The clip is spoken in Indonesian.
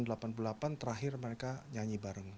dan akhirnya mereka nyanyi bareng